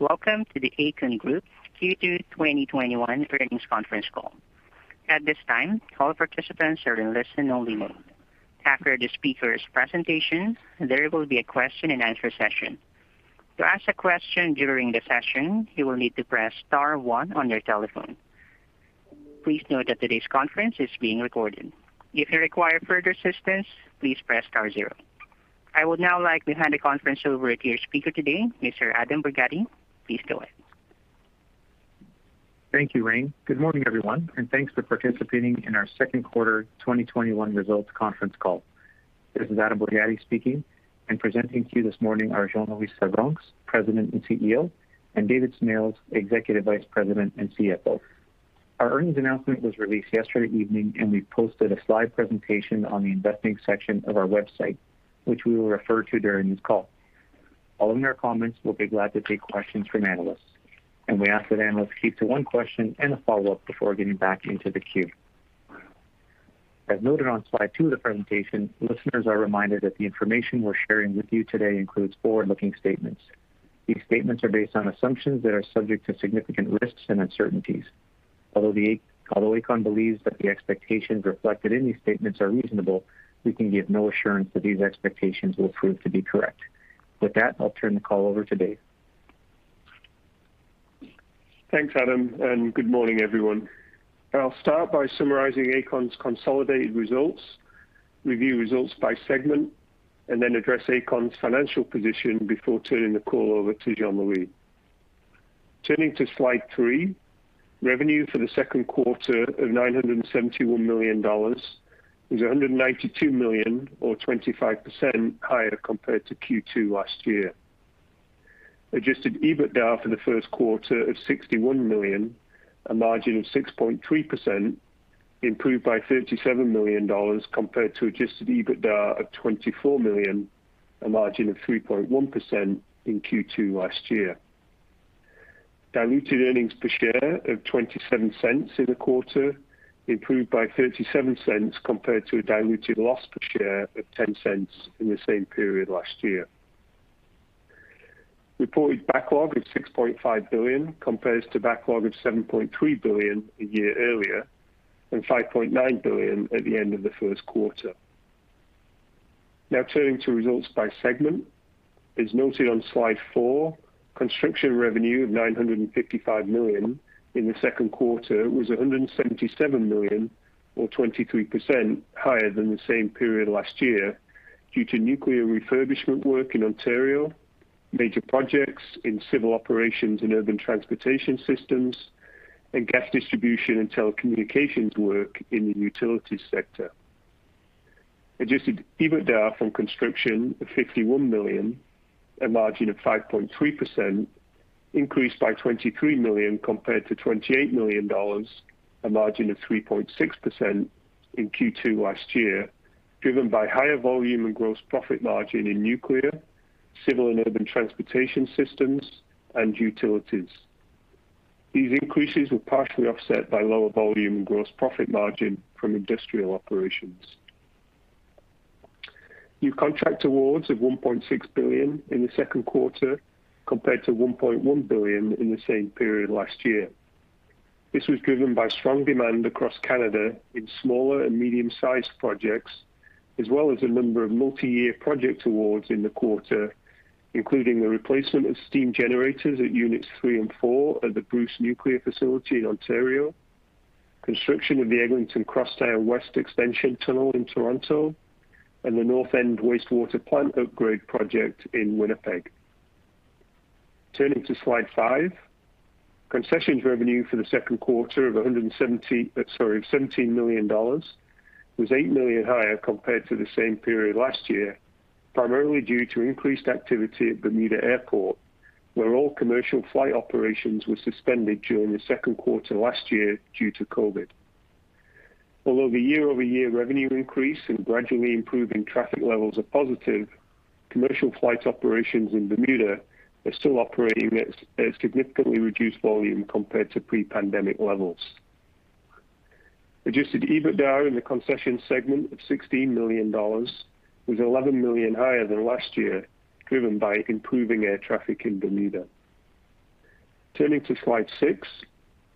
Welcome to the Aecon Group Q2 2021 earnings conference call. At this time, all participants are in listen-only mode. After the speakers' presentation, there will be a question-and-answer session. To ask a question during the session, you will need to press star one on your telephone. Please note that today's conference is being recorded. If you require further assistance, please press star zero. I would now like to hand the conference over to your speaker today, Mr. Adam Borgatti. Please go ahead. Thank you, Reine. Good morning, everyone, and thanks for participating in our Q2 2021 results conference call. This is Adam Borgatti speaking, and presenting to you this morning are Jean-Louis Servranckx, President and CEO, and David Smales, Executive Vice President and CFO. Our earnings announcement was released yesterday evening, and we posted a slide presentation on the investing section of our website, which we will refer to during this call. Following their comments, we'll be glad to take questions from analysts, and we ask that analysts keep to one question and a follow-up before getting back into the queue. As noted on slide two of the presentation, listeners are reminded that the information we're sharing with you today includes forward-looking statements. These statements are based on assumptions that are subject to significant risks and uncertainties. Although Aecon believes that the expectations reflected in these statements are reasonable, we can give no assurance that these expectations will prove to be correct. With that, I'll turn the call over to Dave. Thanks, Adam. Good morning, everyone. I'll start by summarizing Aecon's consolidated results, review results by segment, and then address Aecon's financial position before turning the call over to Jean-Louis. Turning to slide three, revenue for the Q2 of 971 million dollars is 192 million, or 25% higher compared to Q2 last year. Adjusted EBITDA for the Q1 of 61 million, a margin of 6.3%, improved by 37 million dollars compared to adjusted EBITDA of 24 million, a margin of 3.1% in Q2 last year. Diluted earnings per share of 0.27 in the quarter, improved by 0.37 compared to a diluted loss per share of 0.10 in the same period last year. Reported backlog of 6.5 billion compares to backlog of 7.3 billion a year earlier, and 5.9 billion at the end of the Q1. Turning to results by segment. As noted on slide four, construction revenue of 955 million in the Q2 was 177 million, or 23% higher than the same period last year due to nuclear refurbishment work in Ontario, major projects in civil operations and urban transportation systems, and gas distribution and telecommunications work in the utilities sector. Adjusted EBITDA from construction of 51 million, a margin of 5.3%, increased by 23 million compared to 28 million dollars, a margin of 3.6%, in Q2 last year, driven by higher volume and gross profit margin in nuclear, civil and urban transportation systems, and utilities. These increases were partially offset by lower volume and gross profit margin from industrial operations. New contract awards of 1.6 billion in the Q2 compared to 1.1 billion in the same period last year. This was driven by strong demand across Canada in smaller and medium-sized projects, as well as a number of multi-year project awards in the quarter, including the replacement of steam generators at units three and four at the Bruce Nuclear facility in Ontario, construction of the Eglinton Crosstown West Extension tunnel in Toronto, and the North End Wastewater Plant upgrade project in Winnipeg. Turning to slide five. Concessions revenue for the Q2 of 17 million dollars was 8 million higher compared to the same period last year, primarily due to increased activity at Bermuda Airport, where all commercial flight operations were suspended during the Q2 last year due to COVID. Although the year-over-year revenue increase and gradually improving traffic levels are positive, commercial flight operations in Bermuda are still operating at a significantly reduced volume compared to pre-pandemic levels. Adjusted EBITDA in the concession segment of 16 million dollars was 11 million higher than last year, driven by improving air traffic in Bermuda. Turning to slide six,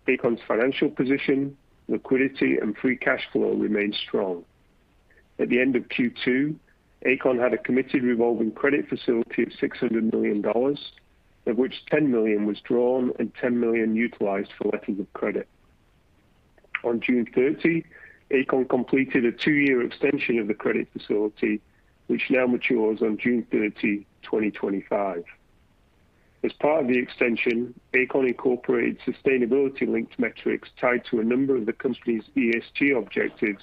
Aecon's financial position, liquidity, and free cash flow remained strong. At the end of Q2, Aecon had a committed revolving credit facility of 600 million dollars, of which 10 million was drawn and 10 million utilized for letters of credit. On June 30, Aecon completed a two-year extension of the credit facility, which now matures on June 30, 2025. As part of the extension, Aecon incorporated sustainability-linked metrics tied to a number of the company's ESG objectives,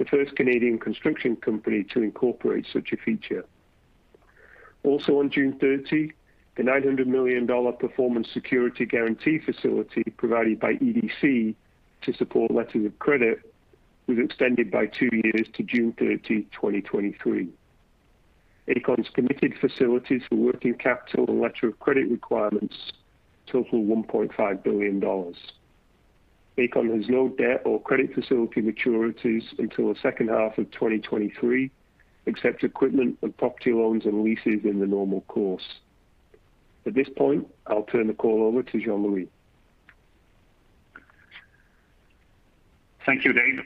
the first Canadian construction company to incorporate such a feature. Also on June 30, the 900 million dollar performance security guarantee facility provided by EDC to support letters of credit was extended by two years to June 30, 2023. Aecon's committed facilities for working capital and letter of credit requirements total 1.5 billion dollars. Aecon has no debt or credit facility maturities until the H2 of 2023, except equipment and property loans and leases in the normal course. At this point, I'll turn the call over to Jean-Louis. Thank you, Dave.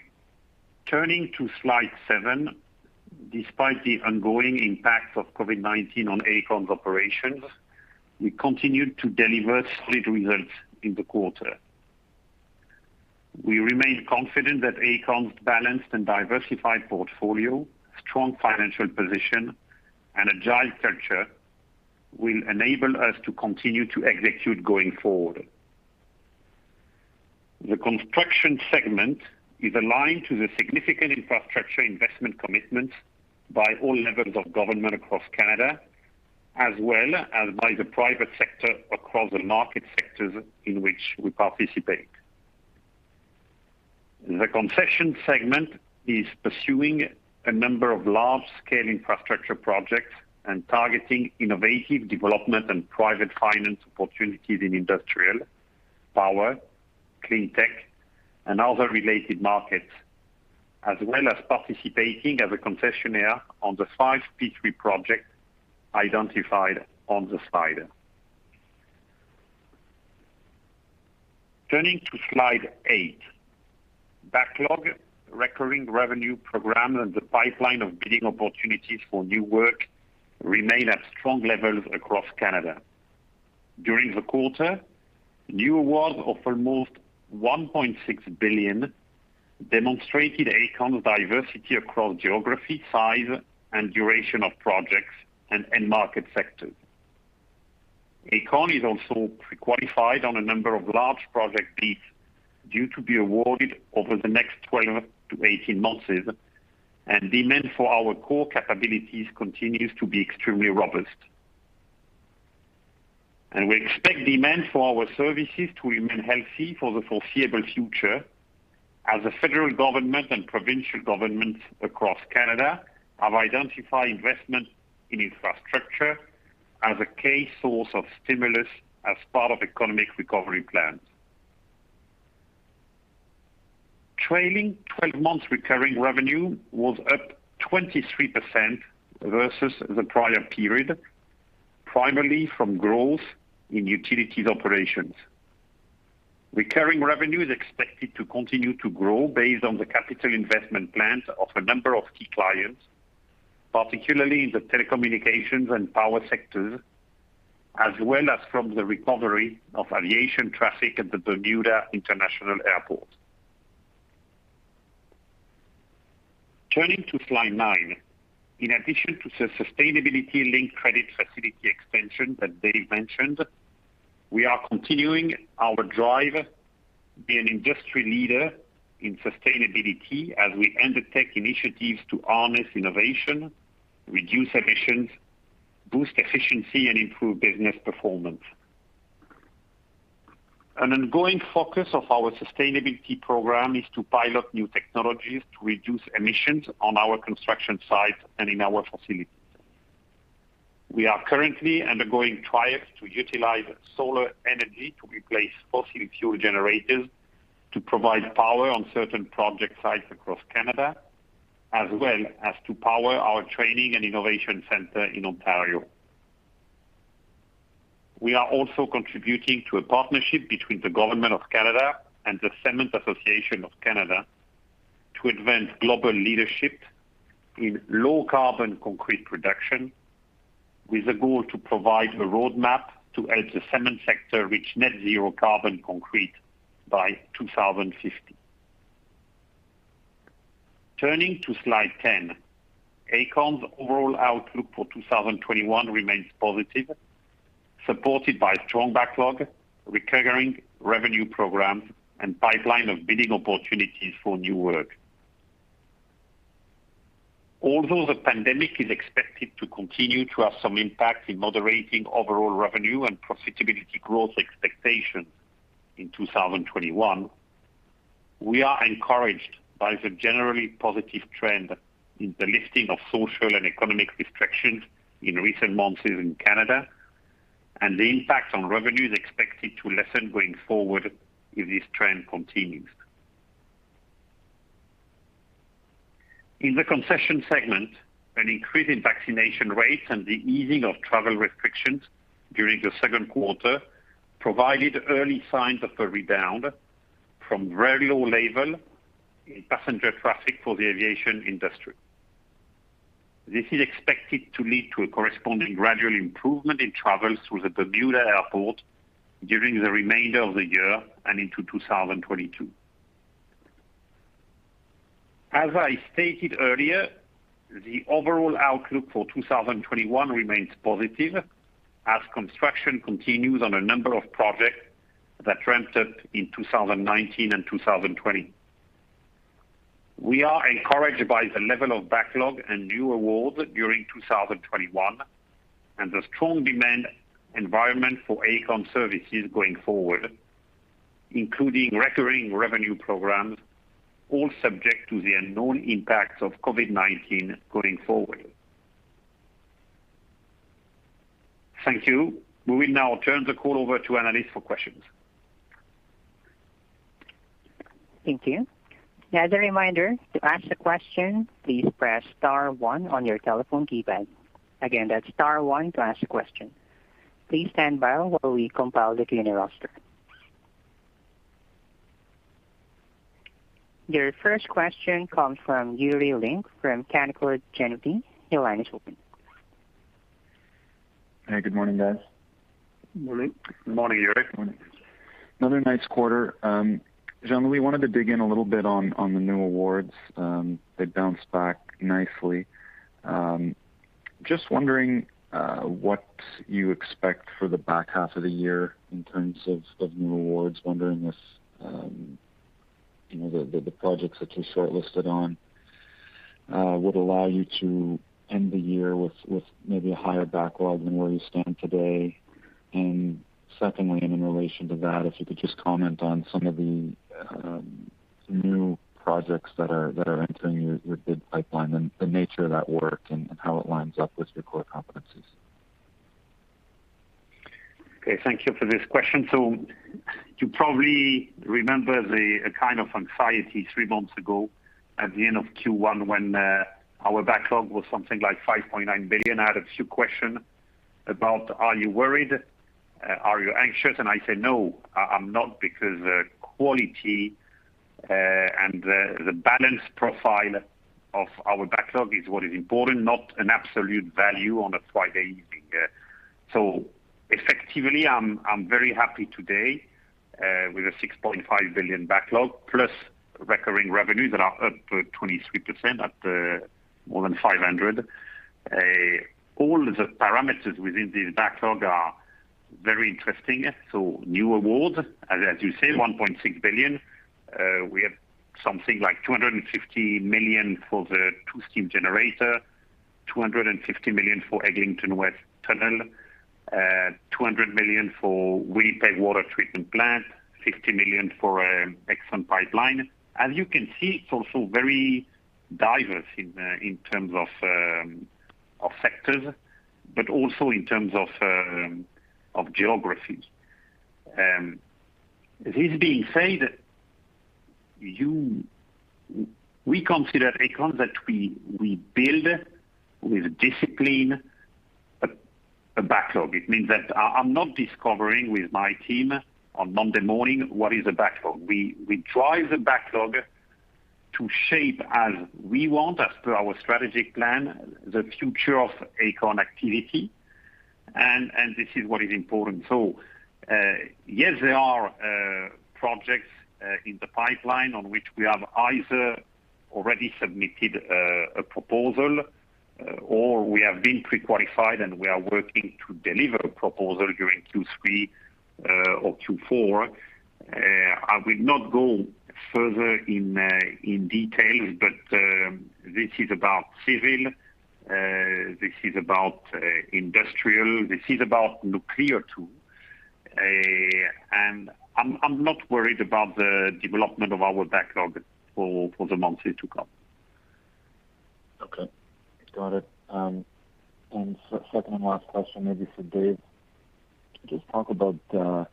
Turning to slide seven. Despite the ongoing impact of COVID-19 on Aecon's operations, we continued to deliver solid results in the quarter. We remain confident that Aecon's balanced and diversified portfolio, strong financial position, and agile culture will enable us to continue to execute going forward. The construction segment is aligned to the significant infrastructure investment commitments by all levels of government across Canada, as well as by the private sector across the market sectors in which we participate. The concession segment is pursuing a number of large-scale infrastructure projects and targeting innovative development and private finance opportunities in industrial, power, clean tech, and other related markets, as well as participating as a concessionaire on the five P3 projects identified on the slide. Turning to slide eight. Backlog, recurring revenue programs, and the pipeline of bidding opportunities for new work remain at strong levels across Canada. During the quarter, new awards of almost 1.6 billion demonstrated Aecon's diversity across geography, size, and duration of projects and market sectors. Aecon is also pre-qualified on a number of large project bids due to be awarded over the next 12-18 months, and demand for our core capabilities continues to be extremely robust. We expect demand for our services to remain healthy for the foreseeable future, as the federal government and provincial governments across Canada have identified investment in infrastructure as a key source of stimulus as part of economic recovery plans. Trailing 12 months recurring revenue was up 23% versus the prior period, primarily from growth in utilities operations. Recurring revenue is expected to continue to grow based on the capital investment plans of a number of key clients, particularly in the telecommunications and power sectors, as well as from the recovery of aviation traffic at the Bermuda International Airport. Turning to slide nine. In addition to the sustainability-linked credit facility extension that David mentioned, we are continuing our drive to be an industry leader in sustainability as we undertake initiatives to harness innovation, reduce emissions, boost efficiency, and improve business performance. An ongoing focus of our sustainability program is to pilot new technologies to reduce emissions on our construction sites and in our facilities. We are currently undergoing trials to utilize solar energy to replace fossil fuel generators to provide power on certain project sites across Canada, as well as to power our training and innovation center in Ontario. We are also contributing to a partnership between the government of Canada and the Cement Association of Canada to advance global leadership in low-carbon concrete production, with a goal to provide a roadmap to help the cement sector reach net zero carbon concrete by 2050. Turning to slide 10. Aecon's overall outlook for 2021 remains positive, supported by strong backlog, recurring revenue programs, and pipeline of bidding opportunities for new work. Although the pandemic is expected to continue to have some impact in moderating overall revenue and profitability growth expectations in 2021, we are encouraged by the generally positive trend in the lifting of social and economic restrictions in recent months in Canada, and the impact on revenue is expected to lessen going forward if this trend continues. In the concession segment, an increase in vaccination rates and the easing of travel restrictions during the Q2 provided early signs of a rebound from very low level in passenger traffic for the aviation industry. This is expected to lead to a corresponding gradual improvement in travels through the Bermuda Airport during the remainder of the year and into 2022. As I stated earlier, the overall outlook for 2021 remains positive as construction continues on a number of projects that ramped up in 2019 and 2020. We are encouraged by the level of backlog and new awards during 2021 and the strong demand environment for Aecon services going forward, including recurring revenue programs, all subject to the unknown impacts of COVID-19 going forward. Thank you. We will now turn the call over to Analise for questions. Thank you. As a reminder, to ask a question, please press star one on your telephone keypad. Again, that's star one to ask a question. Please stand by while we compile the queuing roster. Your first question comes from Yuri Lynk from Canaccord Genuity. Your line is open. Hey, good morning, guys. Morning. Morning, Yuri. Another nice quarter. Jean, we wanted to dig in a little bit on the new awards. They bounced back nicely. Just wondering what you expect for the back half of the year in terms of new awards. Wondering if the projects that you're shortlisted on would allow you to end the year with maybe a higher backlog than where you stand today. Secondly, and in relation to that, if you could just comment on some of the new projects that are entering your bid pipeline and the nature of that work and how it lines up with your core competencies. Thank you for this question. You probably remember the kind of anxiety three months ago at the end of Q1 when our backlog was something like 5.9 billion. I had a few question about, are you worried? Are you anxious? I said, no, I'm not, because the quality and the balance profile of our backlog is what is important, not an absolute value on a Friday evening. Effectively, I'm very happy today with a 6.5 billion backlog plus recurring revenues that are up 23% at more than 500. All the parameters within the backlog are very interesting. New awards, as you say, 1.6 billion. We have something like 250 million for the two steam generator, 250 million for Eglinton West Tunnel, 200 million for Winnipeg water treatment plant, 50 million for ExxonMobil pipeline. As you can see, it's also very diverse in terms of sectors, but also in terms of geographies. This being said, we consider Aecon that we build with discipline a backlog. It means that I'm not discovering with my team on Monday morning what is a backlog. We drive the backlog to shape as we want, as per our strategic plan, the future of Aecon activity. This is what is important. Yes, there are projects in the pipeline on which we have either already submitted a proposal or we have been pre-qualified and we are working to deliver a proposal during Q3 or Q4. I will not go further in details, but this is about civil, this is about industrial, this is about nuclear, too. I'm not worried about the development of our backlog for the months to come. Okay, got it. Second and last question, maybe for Dave. Just talk about the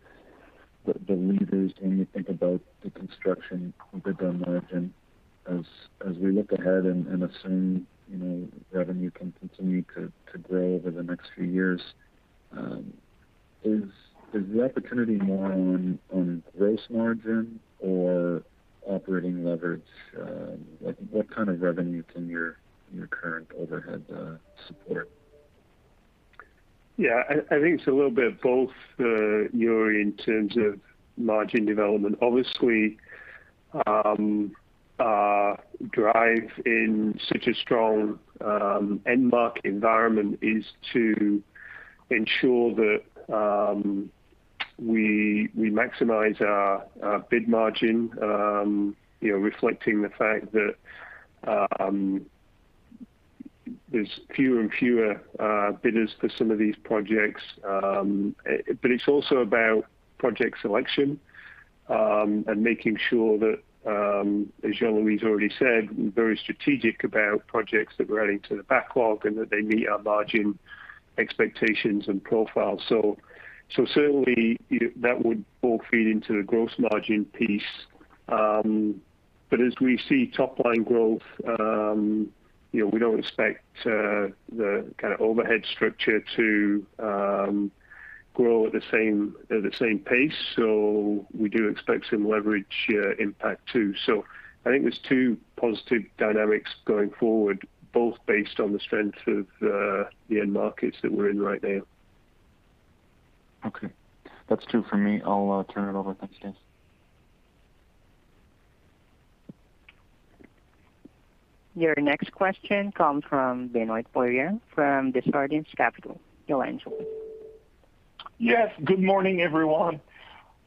levers when you think about the construction bid margin as we look ahead and assume revenue can continue to grow over the next few years. Is the opportunity more on gross margin or operating leverage? What kind of revenue can your current overhead support? I think it's a little bit of both, Yuri, in terms of margin development. Obviously, our drive in such a strong end market environment is to ensure that we maximize our bid margin, reflecting the fact that there's fewer and fewer bidders for some of these projects. It's also about project selection and making sure that, as Jean-Louis already said, we're very strategic about projects that we're adding to the backlog and that they meet our margin expectations and profiles. Certainly, that would all feed into the gross margin piece. As we see top-line growth, we don't expect the overhead structure to grow at the same pace. We do expect some leverage impact, too. I think there's two positive dynamics going forward, both based on the strength of the end markets that we're in right now. Okay. That's two for me. I'll turn it over. Thanks, guys. Your next question comes from Benoit Poirier from Desjardins Securities. Your line is open. Yes. Good morning, everyone.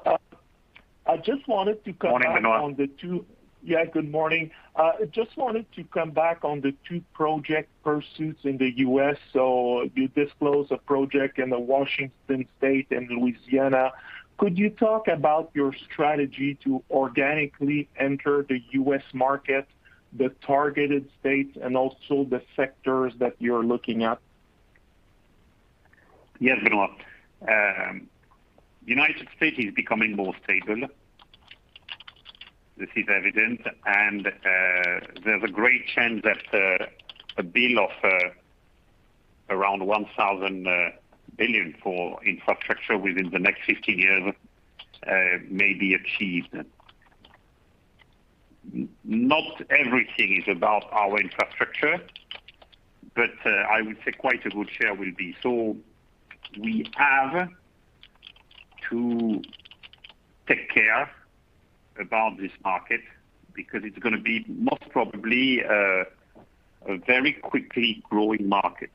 I just wanted to come back- Morning, Benoit. Good morning. I just wanted to come back on the two project pursuits in the U.S. You disclose a project in the Washington State and Louisiana. Could you talk about your strategy to organically enter the U.S. market, the targeted states, and also the sectors that you're looking at? Yes, Benoit. United States is becoming more stable. This is evident, and there's a great chance that a bill of around 1,000 billion for infrastructure within the next 15 years may be achieved. Not everything is about our infrastructure, but I would say quite a good share will be. We have to take care about this market, because it's going to be most probably a very quickly growing market.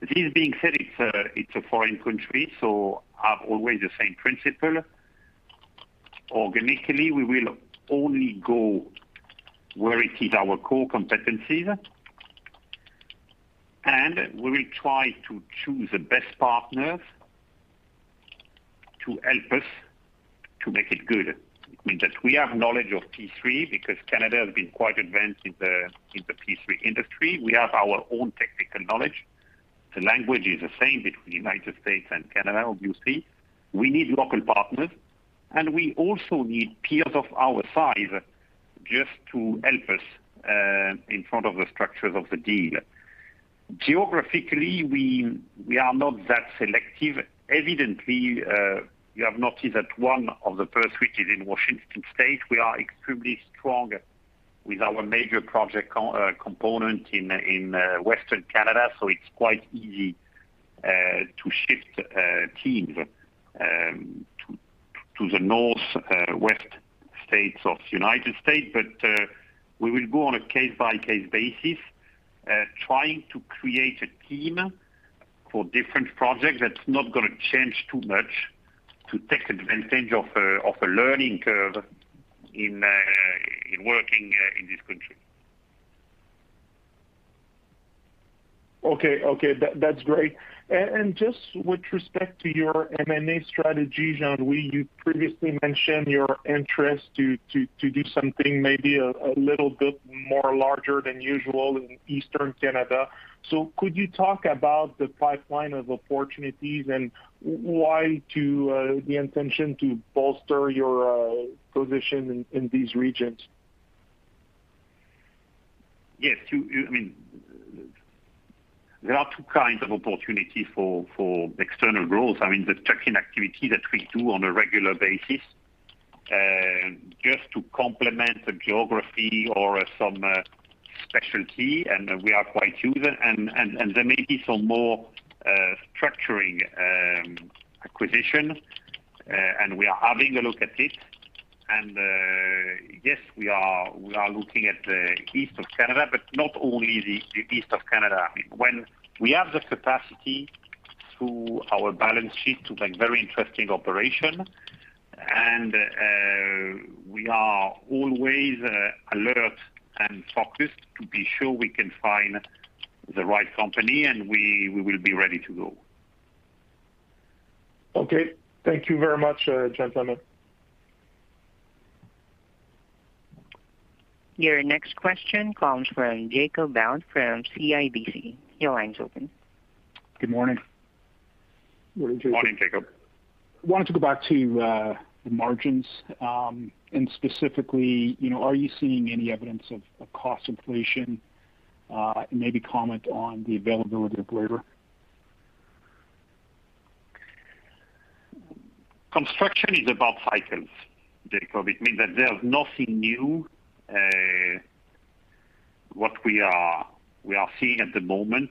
This being said, it's a foreign country. Have always the same principle. Organically, we will only go where it is our core competencies, and we will try to choose the best partners to help us to make it good. It means that we have knowledge of P3 because Canada has been quite advanced in the P3 industry. We have our own technical knowledge. The language is the same between United States and Canada, obviously. We need local partners, and we also need peers of our size just to help us in front of the structures of the deal. Geographically, we are not that selective. Evidently, you have noticed that one of the first, which is in Washington State, we are extremely strong with our major project component in Western Canada, so it's quite easy to shift teams to the Northwest states of United States. We will go on a case-by-case basis, trying to create a team for different projects that's not going to change too much to take advantage of a learning curve in working in this country. Okay. That's great. Just with respect to your M&A strategy, Jean, where you previously mentioned your interest to do something maybe a little bit more larger than usual in Eastern Canada. Could you talk about the pipeline of opportunities and why the intention to bolster your position in these regions? Yes. There are two kinds of opportunity for external growth. I mean, the tuck-in activity that we do on a regular basis, just to complement the geography or some specialty, and we are quite huge. There may be some more structuring acquisition, and we are having a look at it. Yes, we are looking at the East of Canada, but not only the East of Canada. When we have the capacity through our balance sheet to make very interesting operation, and we are always alert and focused to be sure we can find the right company, and we will be ready to go. Okay. Thank you very much, gentlemen. Your next question comes from Jacob Bout from CIBC. Your line's open. Good morning. Morning, Jacob. Wanted to go back to the margins, and specifically, are you seeing any evidence of cost inflation? Maybe comment on the availability of labor. Construction is about cycles, Jacob. It means that there's nothing new what we are seeing at the moment.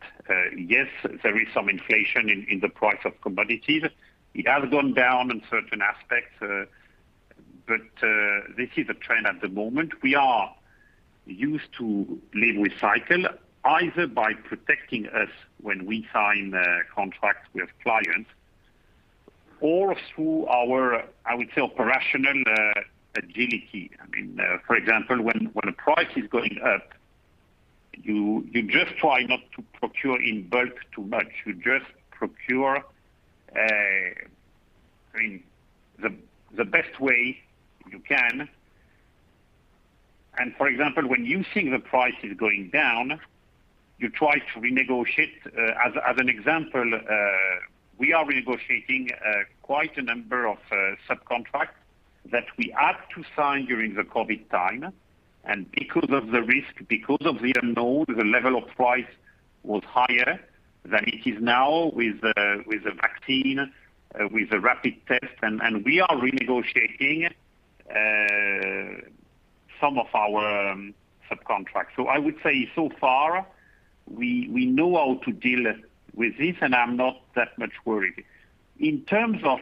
Yes, there is some inflation in the price of commodities. It has gone down in certain aspects, but this is a trend at the moment. We are used to live with cycle, either by protecting us when we sign contracts with clients or through our, I would say, operational agility. For example, when a price is going up, you just try not to procure in bulk too much. You just procure in the best way you can. For example, when you see the price is going down, you try to renegotiate. As an example, we are renegotiating quite a number of subcontracts that we had to sign during the COVID time. Because of the risk, because of the unknown, the level of price was higher than it is now with the vaccine, with the rapid test. We are renegotiating some of our subcontracts. I would say so far, we know how to deal with this, and I'm not that much worried. In terms of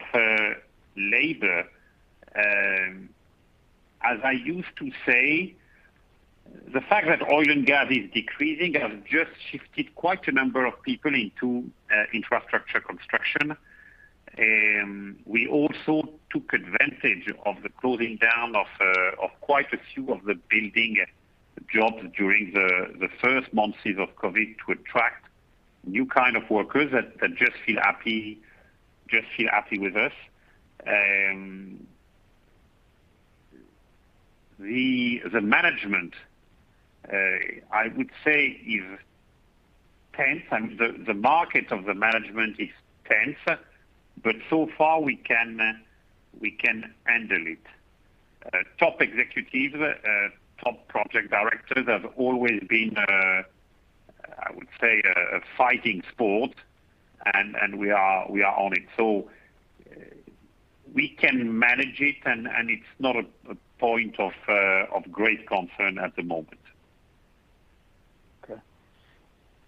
labor, as I used to say, the fact that oil and gas is decreasing has just shifted quite a number of people into infrastructure construction. We also took advantage of the closing down of quite a few of the building jobs during the first months of COVID to attract new kind of workers that just feel happy with us. The management, I would say, is tense, and the market of the management is tense. So far we can handle it. Top executives, top project directors have always been, I would say, a fighting sport, and we are on it. We can manage it, and it's not a point of great concern at the moment. Okay.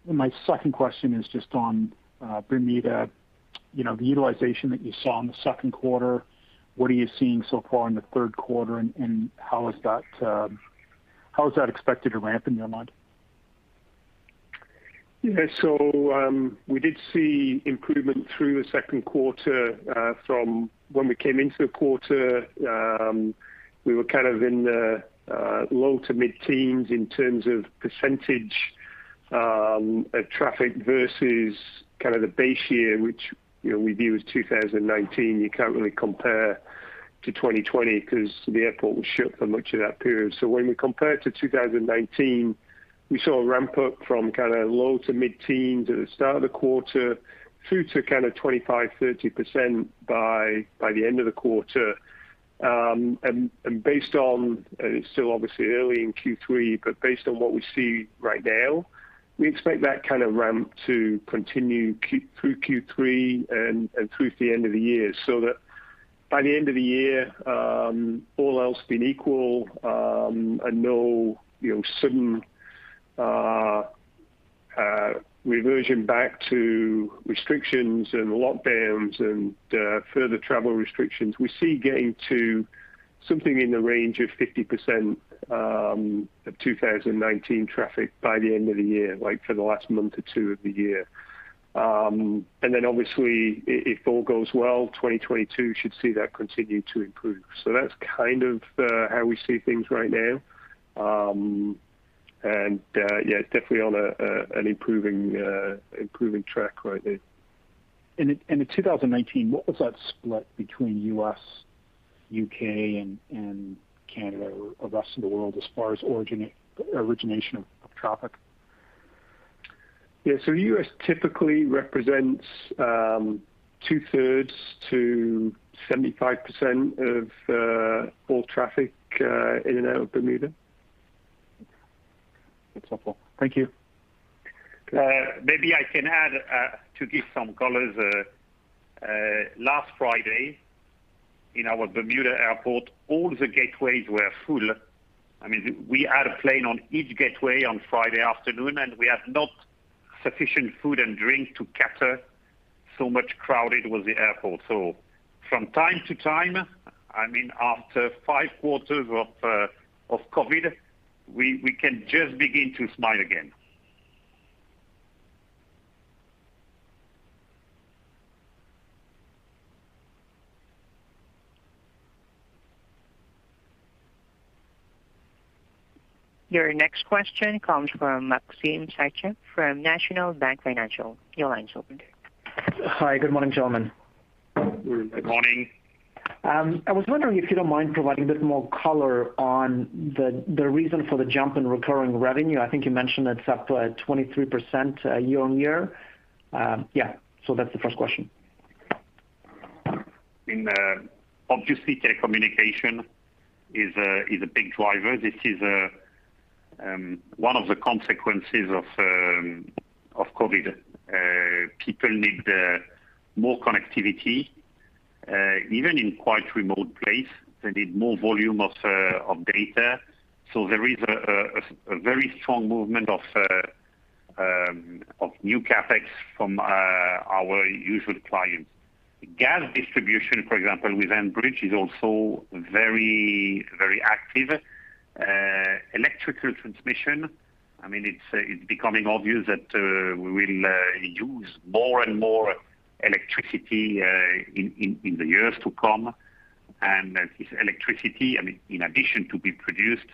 My second question is just on Bermuda, the utilization that you saw in the Q2, what are you seeing so far in the Q3, and how is that expected to ramp in your mind? Yeah. We did see improvement through the Q2. From when we came into the quarter, we were kind of in the low to mid-teens in terms of percentage of traffic versus the base year, which we view as 2019. You can't really compare to 2020 because the airport was shut for much of that period. When we compare to 2019, we saw a ramp-up from low to mid-teens at the start of the quarter through to 25%-30% by the end of the quarter. Based on, it's still obviously early in Q3, but based on what we see right now, we expect that kind of ramp to continue through Q3 and through to the end of the year, so that by the end of the year, all else being equal, and no sudden reversion back to restrictions and lockdowns and further travel restrictions. We see getting to something in the range of 50% of 2019 traffic by the end of the year, like for the last month or two of the year. Obviously, if all goes well, 2022 should see that continue to improve. That's kind of how we see things right now. Yeah, it's definitely on an improving track right there. In 2019, what was that split between U.S., U.K. and Canada, or rest of the world as far as origination of traffic? Yeah. U.S. typically represents two-thirds to 75% of all traffic in and out of Bermuda. That's helpful. Thank you. Maybe I can add, to give some colors. Last Friday in our Bermuda airport, all the gateways were full. We had a plane on each gateway on Friday afternoon, we had not sufficient food and drink to cater, so much crowded was the airport. From time to time, after five quarters of COVID, we can just begin to smile again. Your next question comes from Maxim Sytchev from National Bank Financial. Your line's open. Hi. Good morning, gentlemen. Good morning. Good morning. I was wondering if you don't mind providing a bit more color on the reason for the jump in recurring revenue. I think you mentioned it's up to 23% year-over-year. Yeah, that's the first question. Obviously, telecommunication is a big driver. This is one of the consequences of COVID. People need more connectivity, even in quite remote places. They need more volume of data. There is a very strong movement of new CapEx from our usual clients. Gas distribution, for example, with Enbridge is also very active. Electrical transmission, it's becoming obvious that we will use more and more electricity in the years to come. This electricity, in addition to be produced,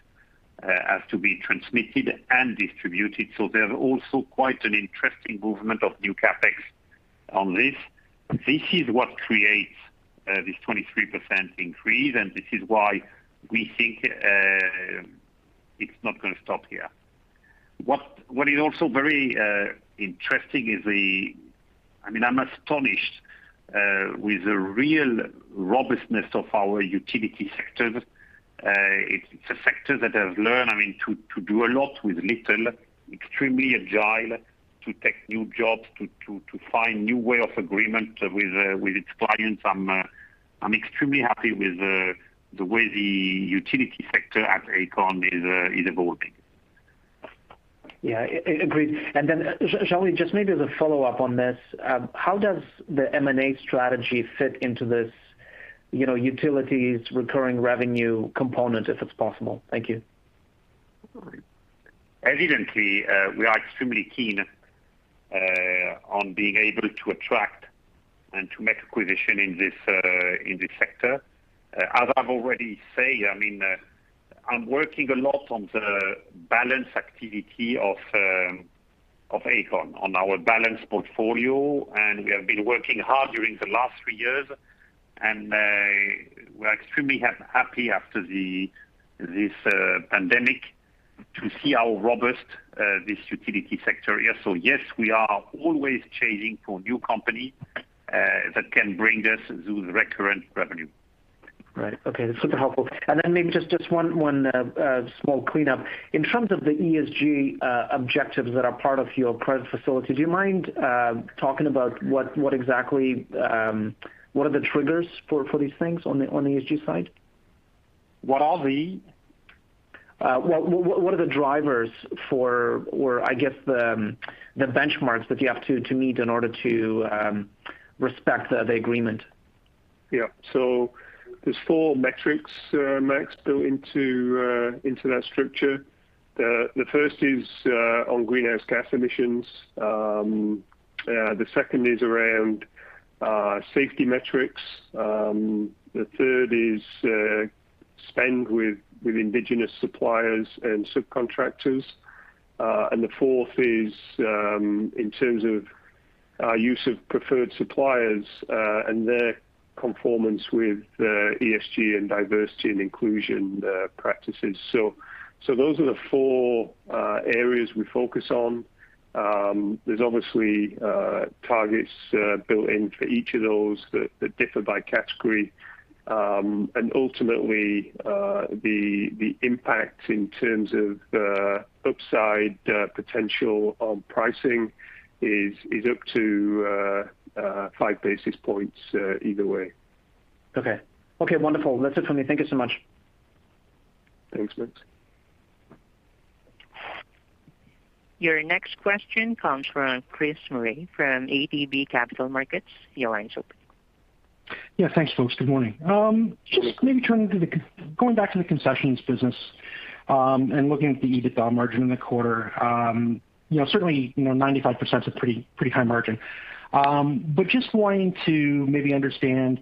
has to be transmitted and distributed. There's also quite an interesting movement of new CapEx on this. This is what creates this 23% increase, and this is why we think it's not going to stop here. What is also very interesting is I'm astonished with the real robustness of our utility sector. It's a sector that has learned to do a lot with little, extremely agile to take new jobs, to find new way of agreement with its clients. I'm extremely happy with the way the utility sector at Aecon is evolving. Yeah, agreed. Shall we just maybe as a follow-up on this, how does the M&A strategy fit into this utilities recurring revenue component, if it's possible? Thank you. Evidently, we are extremely keen on being able to attract and to make acquisition in this sector. As I've already said, I'm working a lot on the balance activity of Aecon, on our balance portfolio, and we have been working hard during the last three years. We're extremely happy after this pandemic to see how robust this utility sector is. Yes, we are always chasing for new company that can bring this recurrent revenue. Right. Okay. That's super helpful. Maybe just one small cleanup. In terms of the ESG objectives that are part of your credit facility, do you mind talking about what are the triggers for these things on the ESG side? What are the? What are the drivers for, or I guess the benchmarks that you have to meet in order to respect the agreement? Yeah. There's four metrics, Max, built into that structure. The first is on greenhouse gas emissions. The second is around safety metrics. The third is spend with indigenous suppliers and subcontractors. Fourth is in terms of our use of preferred suppliers, and their conformance with ESG and diversity and inclusion practices. Those are the four areas we focus on. There's obviously targets built in for each of those that differ by category. Ultimately, the impact in terms of the upside potential on pricing is up to five basis points either way. Okay. Wonderful. That's it for me. Thank you so much. Thanks, Max. Your next question comes from Chris Murray from ATB Capital Markets. Your line's open. Yeah. Thanks, folks. Good morning. Just maybe going back to the concessions business, and looking at the EBITDA margin in the quarter. Certainly, 95% is a pretty high margin. Just wanting to maybe understand,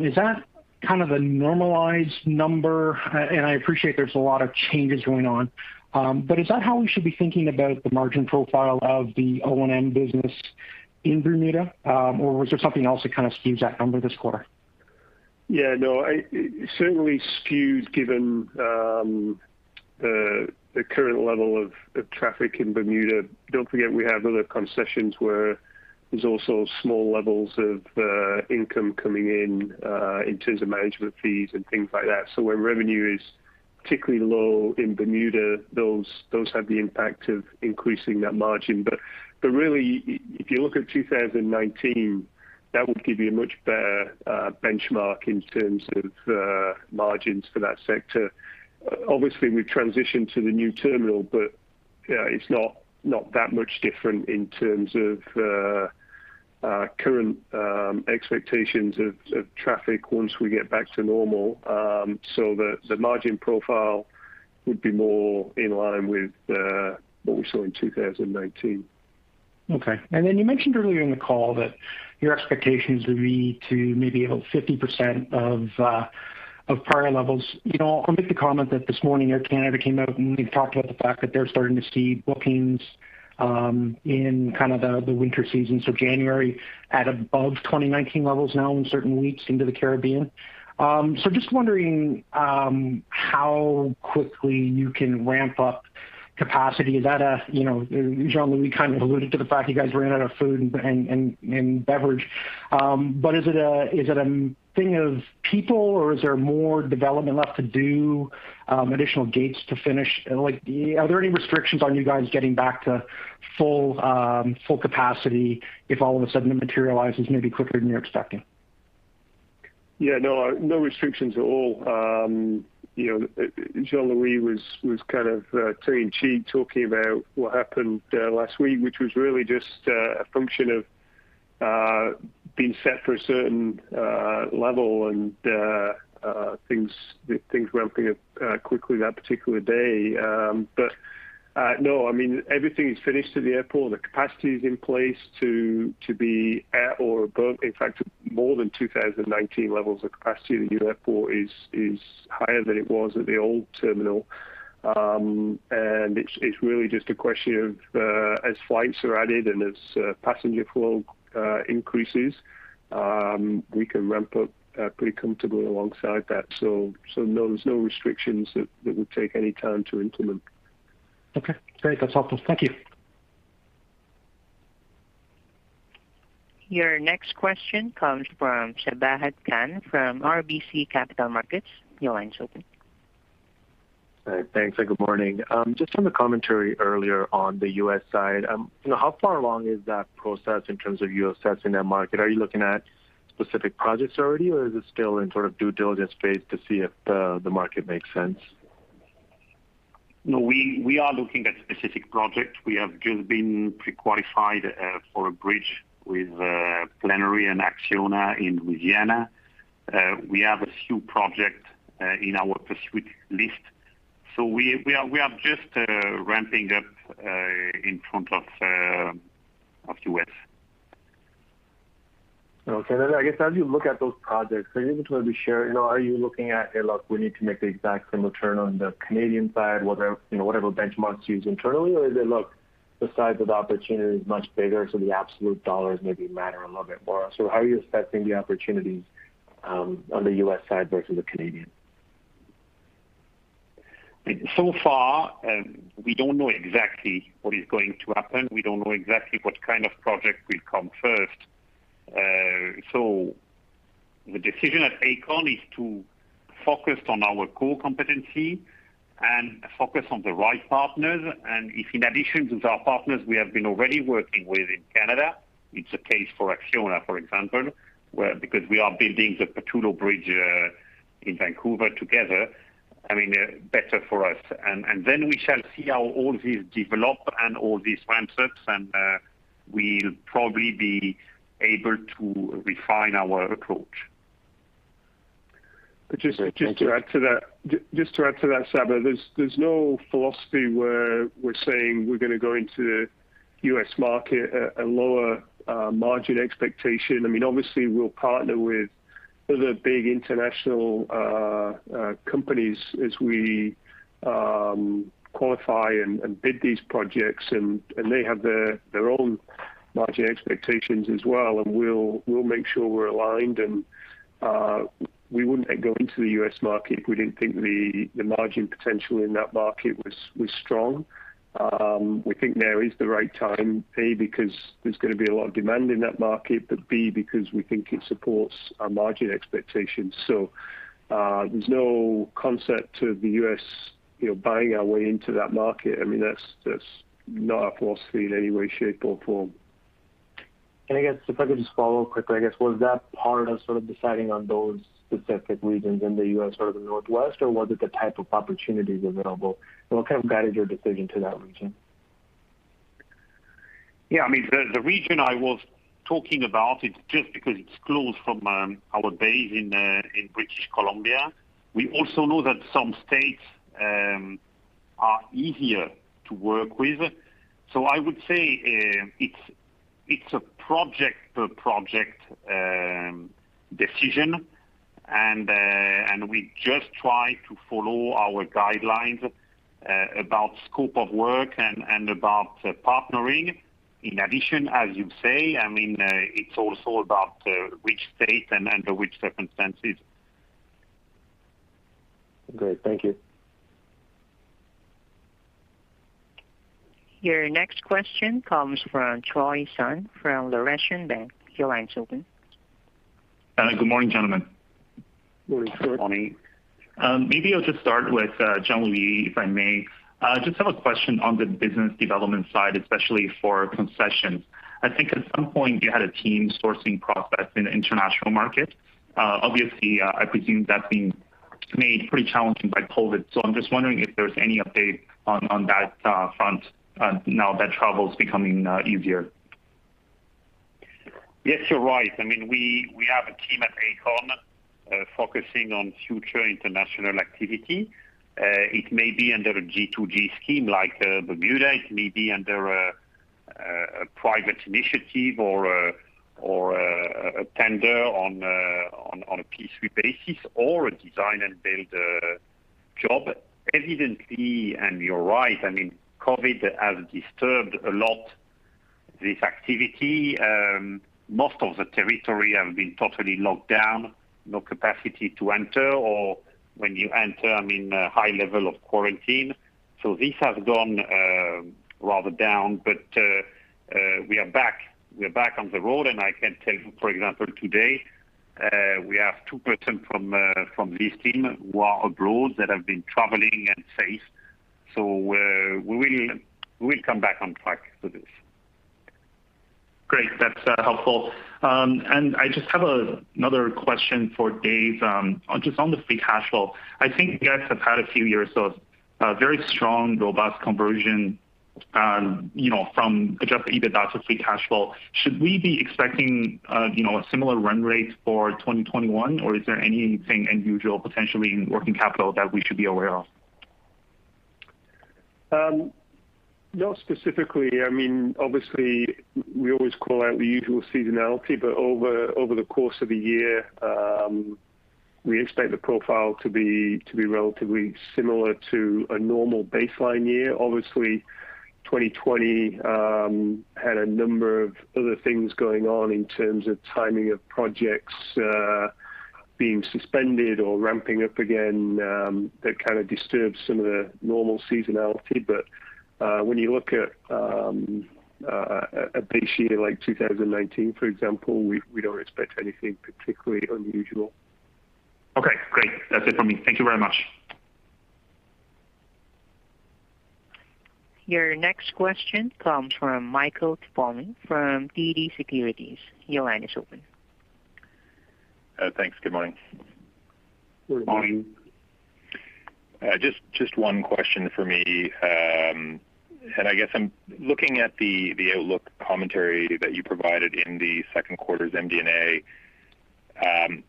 is that kind of a normalized number? I appreciate there's a lot of changes going on. Is that how we should be thinking about the margin profile of the O&M business in Bermuda? Was there something else that kind of skews that number this quarter? Yeah, no. It certainly skews given the current level of traffic in Bermuda. Don't forget we have other concessions where there's also small levels of income coming in terms of management fees and things like that. Where revenue is particularly low in Bermuda, those have the impact of increasing that margin. Really, if you look at 2019, that would give you a much better benchmark in terms of margins for that sector. Obviously, we've transitioned to the new terminal, but it's not that much different in terms of current expectations of traffic once we get back to normal. The margin profile would be more in line with what we saw in 2019. Okay. You mentioned earlier in the call that your expectations would be to maybe about 50% of prior levels. I'll make the comment that this morning, Air Canada came out and talked about the fact that they're starting to see bookings in kind of the winter season, so January, at above 2019 levels now in certain weeks into the Caribbean. Just wondering how quickly you can ramp up capacity. Jean-Louis kind of alluded to the fact you guys ran out of food and beverage. Is it a thing of people, or is there more development left to do, additional gates to finish? Are there any restrictions on you guys getting back to full capacity if all of a sudden it materializes maybe quicker than you're expecting? Yeah. No restrictions at all. Jean-Louis was kind of tongue in cheek talking about what happened last week, which was really just a function of being set for a certain level and things ramping up quickly that particular day. No, everything is finished at the airport. The capacity is in place to be at or above, in fact, more than 2019 levels of capacity at the new airport is higher than it was at the old terminal. It's really just a question of, as flights are added and as passenger flow increases, we can ramp up pretty comfortably alongside that. No, there's no restrictions that would take any time to implement. Okay, great. That's helpful. Thank you. Your next question comes from Sabahat Khan from RBC Capital Markets. Your line is open. Thanks, good morning. Just from the commentary earlier on the U.S. side, how far along is that process in terms of you assessing that market? Are you looking at specific projects already, is it still in sort of due diligence phase to see if the market makes sense? No, we are looking at specific projects. We have just been pre-qualified for a bridge with Plenary and Acciona in Louisiana. We have a few projects in our pursuit list. We are just ramping up in front of U.S. Okay. I guess as you look at those projects, are you able to maybe share, are you looking at, "Hey, look, we need to make the exact same return on the Canadian side, whatever benchmarks you use internally?" Or is it, "Look, the size of the opportunity is much bigger, so the absolute dollars maybe matter a little bit more." How are you assessing the opportunities on the U.S. side versus the Canadian? So far, we don't know exactly what is going to happen. We don't know exactly what kind of project will come first. The decision at Aecon is to focus on our core competency and focus on the right partners. If in addition to our partners we have been already working with in Canada, it's a case for Acciona, for example, because we are building the Pattullo Bridge in Vancouver together, better for us. We shall see how all this develop and all these ramp ups, and we'll probably be able to refine our approach. Great. Thank you. Just to add to that, Sabahat, there's no philosophy where we're saying we're going to go into U.S. market at a lower margin expectation. Obviously, we'll partner with other big international companies as we qualify and bid these projects, and they have their own margin expectations as well, and we'll make sure we're aligned. We wouldn't go into the U.S. market if we didn't think the margin potential in that market was strong. We think now is the right time, A, because there's going to be a lot of demand in that market. B, because we think it supports our margin expectations. There's no concept to the U.S. buying our way into that market. That's not our philosophy in any way, shape, or form. If I could just follow quickly, I guess, was that part of sort of deciding on those specific regions in the U.S., sort of the Northwest, or was it the type of opportunities available? What kind of guided your decision to that region? Yeah. The region I was talking about, it's just because it's close from our base in British Columbia. We also know that some states are easier to work with. I would say it's a project-to-project decision, and we just try to follow our guidelines about scope of work and about partnering. In addition, as you say, it's also about which state and under which circumstances. Great. Thank you. Your next question comes from Troy Sun from Laurentian Bank. Your line's open. Good morning, gentlemen. Morning. Morning. Maybe I'll just start with Jean-Louis, if I may. Just have a question on the business development side, especially for concessions. I think at some point you had a team sourcing in the international market. Obviously, I presume that's been made pretty challenging by COVID. I'm just wondering if there's any update on that front now that travel's becoming easier. Yes, you're right. We have a team at Aecon focusing on future international activity. It may be under a G2G scheme like Bermuda. It may be under a private initiative or a tender on a PC basis or a design and build job. Evidently, and you're right, COVID has disturbed a lot this activity. Most of the territory have been totally locked down, no capacity to enter, or when you enter, high level of quarantine. This has gone rather down. We are back. We are back on the road, and I can tell you, for example, today, we have two person from this team who are abroad that have been traveling and safe. We'll come back on track to this. Great. That's helpful. I just have another question for Dave. Just on the free cash flow. I think you guys have had a few years of very strong, robust conversion from adjusted EBITDA to free cash flow. Should we be expecting a similar run rate for 2021, or is there anything unusual potentially in working capital that we should be aware of? Not specifically. Obviously, we always call out the usual seasonality. Over the course of the year, we expect the profile to be relatively similar to a normal baseline year. Obviously, 2020 had a number of other things going on in terms of timing of projects being suspended or ramping up again that kind of disturbed some of the normal seasonality. When you look at a base year like 2019, for example, we don't expect anything particularly unusual. Okay, great. That's it from me. Thank you very much. Your next question comes from Michael Tupholme from TD Securities. Your line is open. Thanks. Good morning. Morning. Morning. Just one question for me. I guess I'm looking at the outlook commentary that you provided in the Q2's MD&A.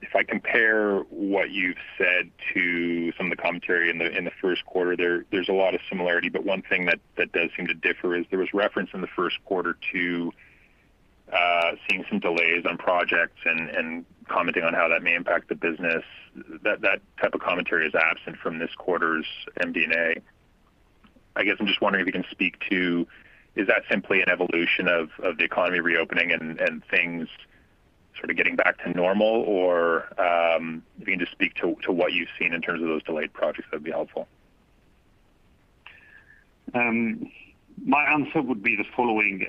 If I compare what you've said to some of the commentary in the Q1, there's a lot of similarity, but one thing that does seem to differ is there was reference in the Q1 to seeing some delays on projects and commenting on how that may impact the business. That type of commentary is absent from this quarter's MD&A. I guess I'm just wondering if you can speak to, is that simply an evolution of the economy reopening and things sort of getting back to normal? Or if you can just speak to what you've seen in terms of those delayed projects, that'd be helpful. My answer would be the following.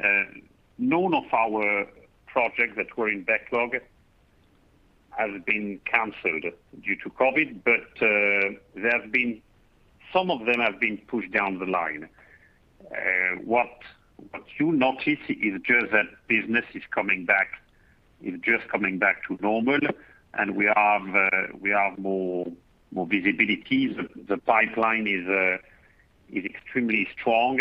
None of our projects that were in backlog have been canceled due to COVID. Some of them have been pushed down the line. What you notice is just that business is just coming back to normal and we have more visibility. The pipeline is extremely strong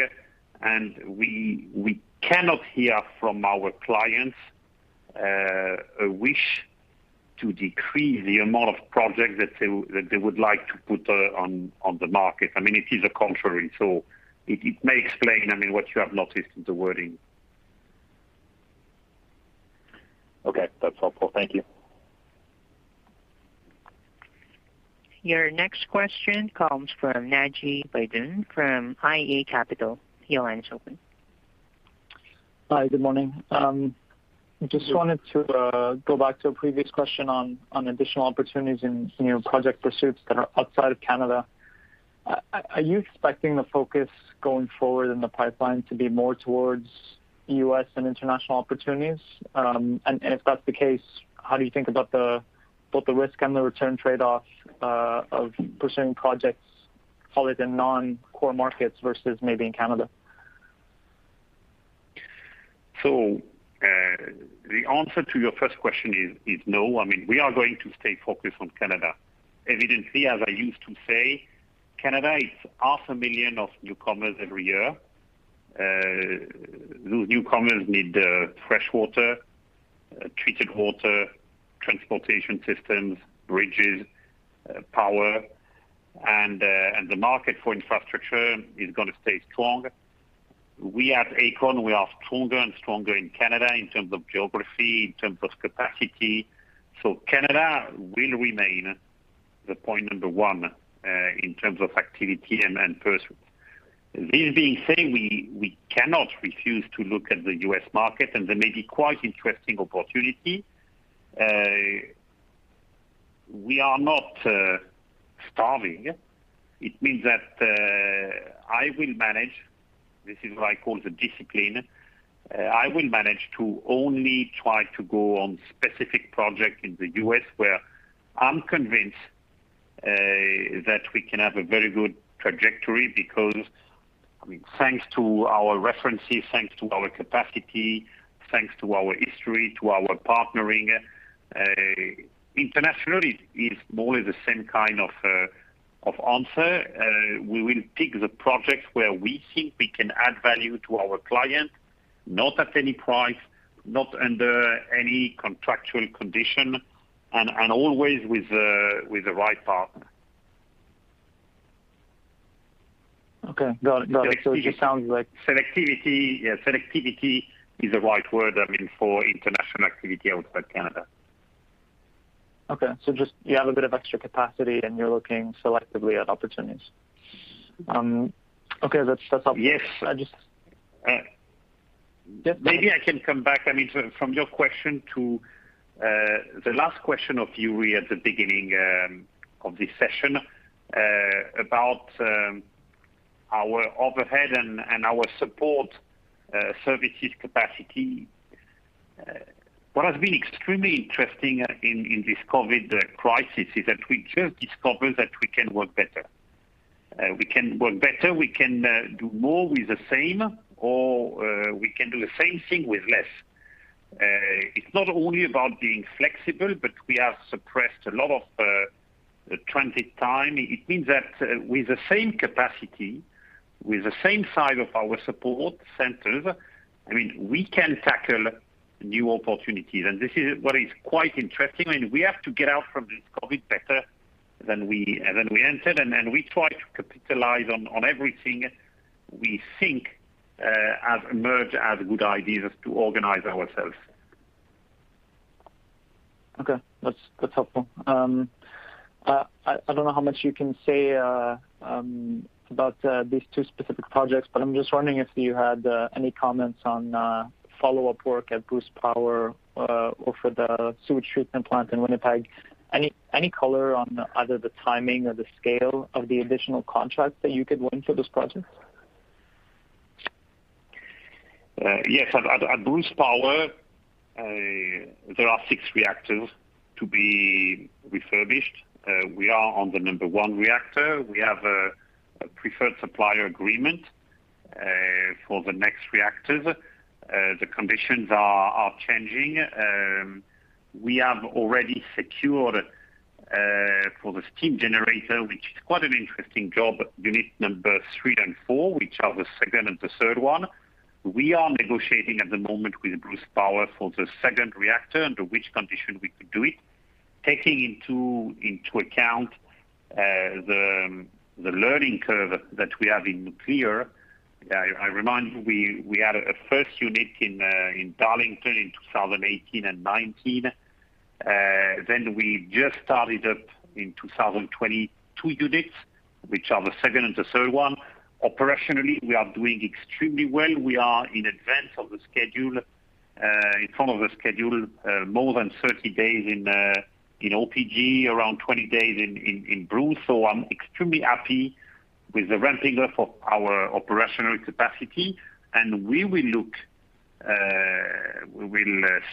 and we cannot hear from our clients a wish to decrease the amount of projects that they would like to put on the market. It is the contrary. It may explain what you have noticed in the wording. Okay. That's helpful. Thank you. Your next question comes from Naji Baydoun from iA Capital Markets. Your line is open. Hi, good morning. Good morning. Just wanted to go back to a previous question on additional opportunities in your project pursuits that are outside of Canada. Are you expecting the focus going forward in the pipeline to be more towards U.S. and international opportunities? If that's the case, how do you think about both the risk and the return trade-off of pursuing projects either in non-core markets versus maybe in Canada? The answer to your first question is no. We are going to stay focused on Canada. Evidently, as I used to say, Canada is 500,000 of newcomers every year. Those newcomers need freshwater, treated water, transportation systems, bridges, power, and the market for infrastructure is going to stay strong. We at Aecon, we are stronger and stronger in Canada in terms of geography, in terms of capacity. Canada will remain the point number one, in terms of activity and pursuits. This being said, we cannot refuse to look at the U.S. market. There may be quite interesting opportunity. We are not starving. It means that this is what I call the discipline. I will manage to only try to go on specific project in the U.S. where I'm convinced that we can have a very good trajectory because thanks to our references, thanks to our capacity, thanks to our history, to our partnering. Internationally is more the same kind of answer. We will pick the projects where we think we can add value to our client, not at any price, not under any contractual condition, and always with the right partner. Okay. Got it. Selectivity. Yeah. Selectivity is the right word for international activity outside Canada. Okay. Just you have a bit of extra capacity, and you're looking selectively at opportunities. Okay. That's helpful. Yes. Yep. Go ahead. I can come back from your question to the last question of Yuri at the beginning of this session about our overhead and our support services capacity. What has been extremely interesting in this COVID crisis is that we just discovered that we can work better. We can do more with the same, or we can do the same thing with less. It's not only about being flexible, but we have suppressed a lot of transit time. It means that with the same capacity, with the same size of our support centers, we can tackle new opportunities, and this is what is quite interesting. We have to get out from this COVID better than we entered, and we try to capitalize on everything we think have emerged as good ideas to organize ourselves. Okay. That's helpful. I don't know how much you can say about these two specific projects, but I'm just wondering if you had any comments on follow-up work at Bruce Power or for the sewage treatment plant in Winnipeg. Any color on either the timing or the scale of the additional contracts that you could win for this project? Yes. At Bruce Power, there are six reactors to be refurbished. We are on the number one reactor. We have a preferred supplier agreement for the next reactor. The conditions are changing. We have already secured for the steam generator, which is quite an interesting job, unit number three and four, which are the second and the third one. We are negotiating at the moment with Bruce Power for the second reactor, under which condition we could do it, taking into account the learning curve that we have in nuclear. I remind you, we had a first unit in Darlington in 2018 and 2019. We just started up in 2020, two units, which are the second and the third one. Operationally, we are doing extremely well. We are in advance of the schedule, in front of the schedule, more than 30 days in OPG, around 20 days in Bruce. I'm extremely happy with the ramping up of our operational capacity. We will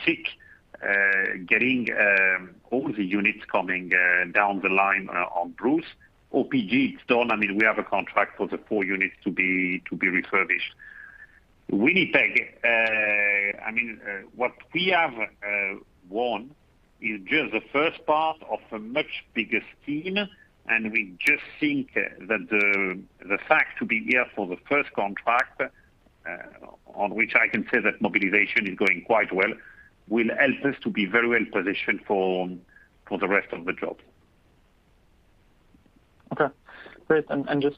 seek getting all the units coming down the line on Bruce. OPG, it's done. We have a contract for the four units to be refurbished. Winnipeg, what we have won is just the 1st part of a much bigger scheme. We just think that the fact to be here for the 1st contract, on which I can say that mobilization is going quite well, will help us to be very well positioned for the rest of the job. Okay, great. Just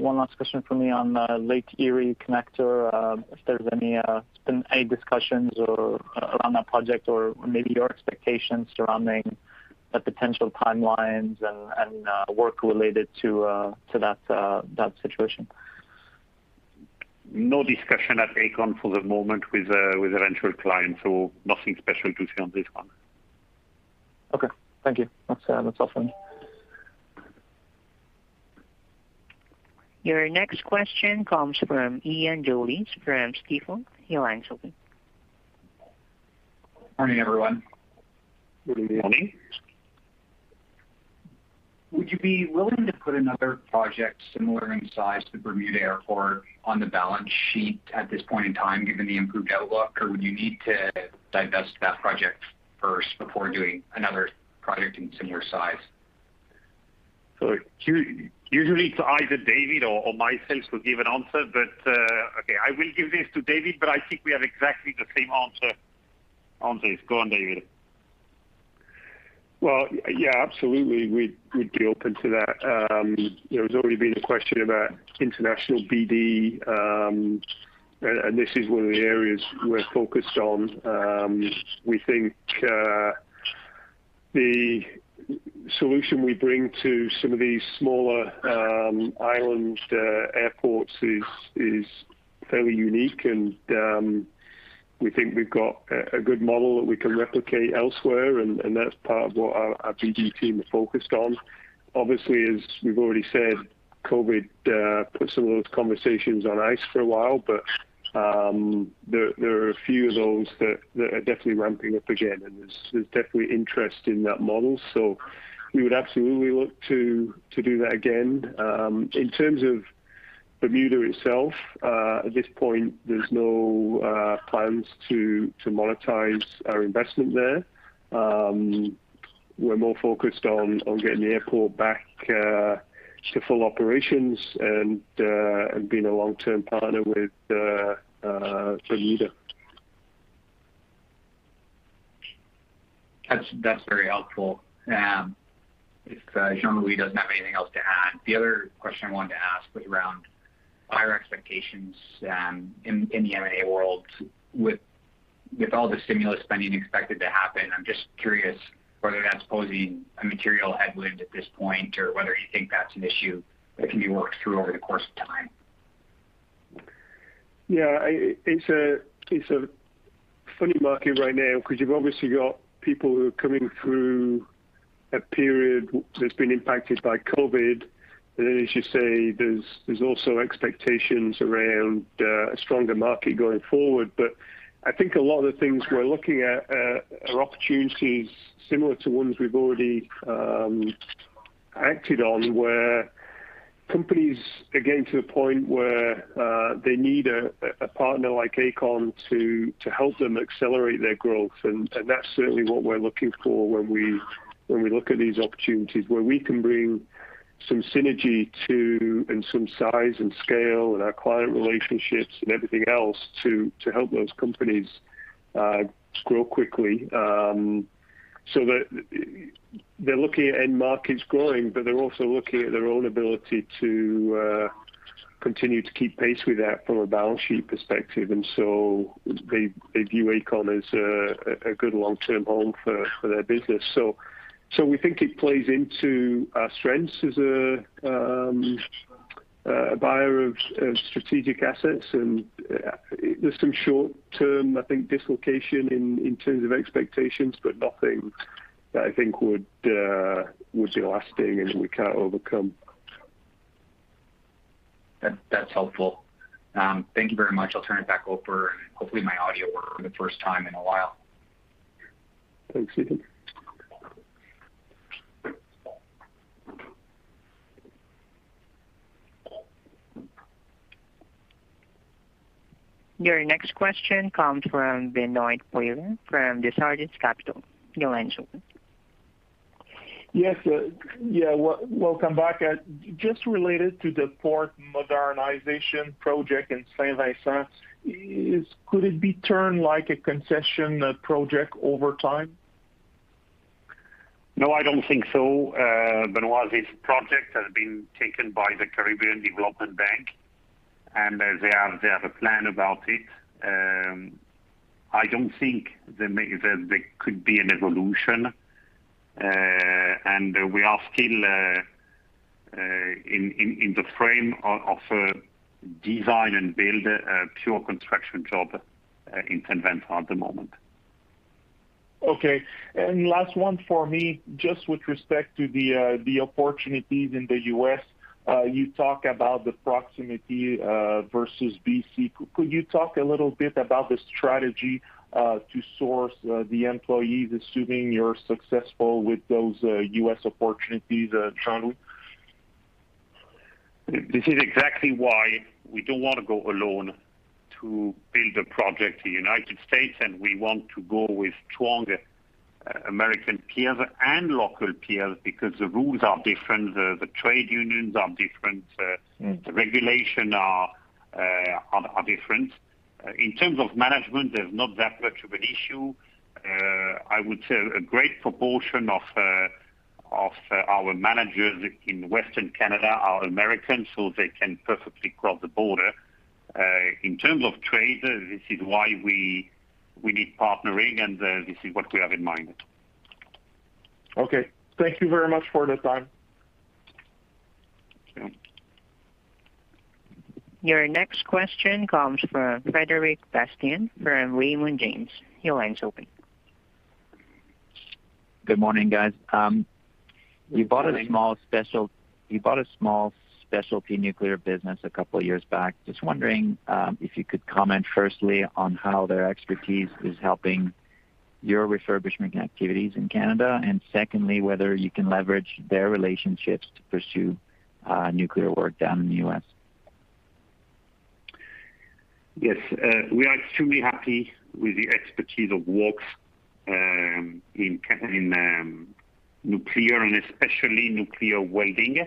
one last question from me on Lake Erie Connector, if there's been any discussions around that project or maybe your expectations surrounding the potential timelines and work related to that situation? No discussion at Aecon for the moment with a rental client, so nothing special to say on this one. Okay, thank you. That's all for me. Your next question comes from Ian Gillies from Stifel. Your line's open. Morning, everyone. Good morning. Would you be willing to put another project similar in size to Bermuda Airport on the balance sheet at this point in time, given the improved outlook? Or would you need to digest that project first before doing another project in similar size? Usually it's either David or myself to give an answer. Okay, I will give this to David, but I think we have exactly the same answer on this. Go on, David. Well, yeah, absolutely. We'd be open to that. There's already been a question about international BD, and this is one of the areas we're focused on. We think the solution we bring to some of these smaller island airports is fairly unique, and we think we've got a good model that we can replicate elsewhere, and that's part of what our BD team is focused on. Obviously, as we've already said, COVID put some of those conversations on ice for a while. There are a few of those that are definitely ramping up again, and there's definitely interest in that model. We would absolutely look to do that again. In terms of Bermuda itself, at this point, there are no plans to monetize our investment there. We're more focused on getting the airport back to full operations and being a long-term partner with Bermuda. That's very helpful. If Jean-Louis doesn't have anything else to add, the other question I wanted to ask was around higher expectations in the M&A world. With all the stimulus spending expected to happen, I'm just curious whether that's posing a material headwind at this point or whether you think that's an issue that can be worked through over the course of time. It's a funny market right now because you've obviously got people who are coming through a period that's been impacted by COVID. Then, as you say, there's also expectations around a stronger market going forward. I think a lot of the things we're looking at are opportunities similar to ones we've already acted on, where companies are getting to the point where they need a partner like Aecon to help them accelerate their growth. That's certainly what we're looking for when we look at these opportunities, where we can bring some synergy to, and some size and scale and our client relationships and everything else to help those companies grow quickly. They're looking at end markets growing, but they're also looking at their own ability to continue to keep pace with that from a balance sheet perspective. They view Aecon as a good long-term home for their business. We think it plays into our strengths as a buyer of strategic assets, and there's some short-term, I think, dislocation in terms of expectations, but nothing that I think would be lasting and we can't overcome. That's helpful. Thank you very much. I'll turn it back over and hopefully my audio worked for the first time in a while. Thanks, Ian. Your next question comes from Benoit Poirier from Desjardins Capital. Your line's open. Yes. Welcome back. Just related to the port modernization project in Saint-Vincent, could it be turned like a concession project over time? No, I don't think so, Benoit. This project has been taken by the Caribbean Development Bank, and they have a plan about it. I don't think there could be an evolution. We are still in the frame of design and build, a pure construction job in Saint Vincent at the moment. Okay. Last one for me, just with respect to the opportunities in the U.S., you talk about the proximity versus B.C. Could you talk a little bit about the strategy to source the employees, assuming you're successful with those U.S. opportunities, Jean-Louis? This is exactly why we don't want to go alone to build a project in the United States, and we want to go with stronger American peers and local peers because the rules are different, the trade unions are different. The regulations are different. In terms of management, there is not that much of an issue. I would say a great proportion of our managers in Western Canada are American, so they can perfectly cross the border. In terms of trade, this is why we need partnering, and this is what we have in mind. Okay. Thank you very much for the time. Yeah. Your next question comes from Frederic Bastien from Raymond James. Your line's open. Good morning, guys. Good morning. You bought a small specialty nuclear business a couple of years back. Just wondering if you could comment firstly on how their expertise is helping your refurbishment activities in Canada and secondly, whether you can leverage their relationships to pursue nuclear work down in the U.S. Yes. We are extremely happy with the expertise of Wachs in nuclear, and especially nuclear welding.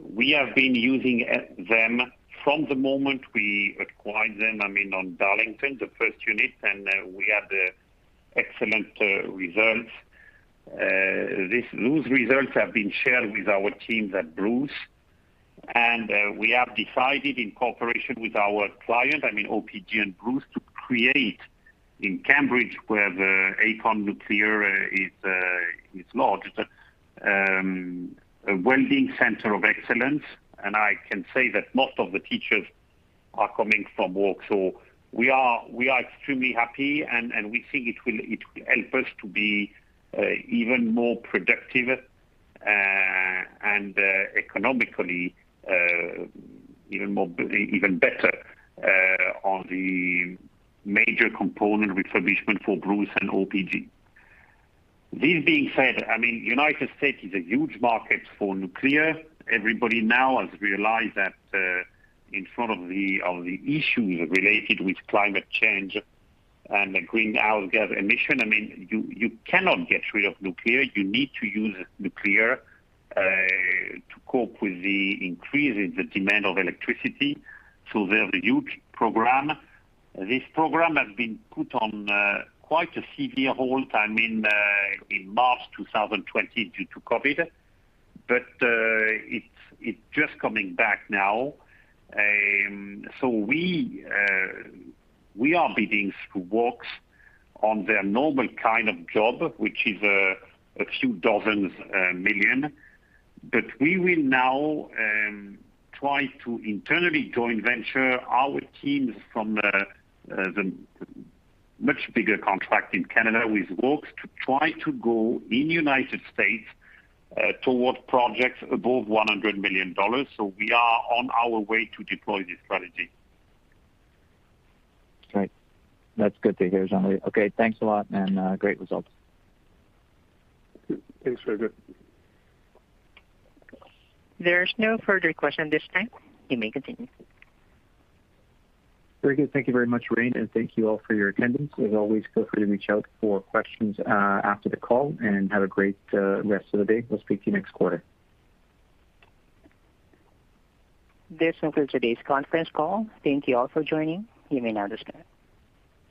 We have been using them from the moment we acquired them, on Darlington, the first unit. We had excellent results. Those results have been shared with our teams at Bruce. We have decided in cooperation with our client, OPG and Bruce, to create in Cambridge, where the Aecon Nuclear is lodged, a welding center of excellence. I can say that most of the teachers are coming from Wachs. We are extremely happy. We think it will help us to be even more productive and economically even better on the major component refurbishment for Bruce and OPG. This being said, United States is a huge market for nuclear. Everybody now has realized that in front of the issues related with climate change and the greenhouse gas emission, you cannot get rid of nuclear. You need to use nuclear to cope with the increase in the demand of electricity. They have a huge program. This program has been put on quite a severe halt in March 2020 due to COVID, but it's just coming back now. We are bidding through Wachs on their normal kind of job, which is a few dozen million. We will now try to internally joint venture our teams from the much bigger contract in Canada with Wachs to try to go in United States towards projects above 100 million dollars. We are on our way to deploy this strategy. Great. That's good to hear, Jean-Louis. Okay. Thanks a lot, and great results. Good. Thanks, Frederic. There's no further questions this time. You may continue. Very good. Thank you very much, Reine, and thank you all for your attendance. As always, feel free to reach out for questions after the call, and have a great rest of the day. We'll speak to you next quarter. This concludes today's conference call. Thank you all for joining. You may now disconnect.